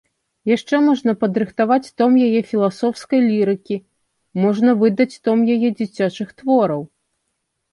Яшчэ можна падрыхтаваць том яе філасофскай лірыкі, можна выдаць том яе дзіцячых твораў.